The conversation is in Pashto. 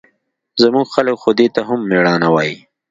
زموږ خلق خو دې ته هم مېړانه وايي.